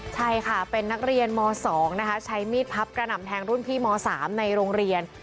ใช่ค่ะเป็นนักเรียนม๒นะคะใช้มีดพับกระหน่ำแทงรุ่นพี่ม๓ในโรงเรียน